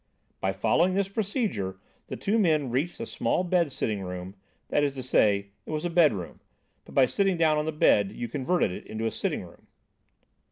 By following this procedure, the two men reached a small bed sitting room; that is to say, it was a bed room, but by sitting down on the bed, you converted it into a sitting room.